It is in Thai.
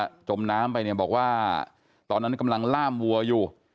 น้องจะจมน้ำไปบอกว่าตอนนั้นกำลังล่ามวัวอยู่